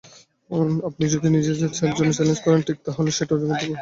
আপনি যদি নিজের জন্য চ্যালেঞ্জ ঠিক করেন, তাহলে সেটা অর্জন করতে পারবেন।